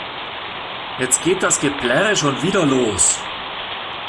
Jetzt geht das Geplärre schon wieder los!